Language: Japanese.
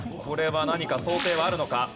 これは何か想定はあるのか？